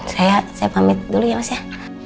saya pamit dulu ya mas ya